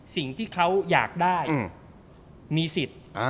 สิ่งที่เขาอยากได้มีสิทธิ์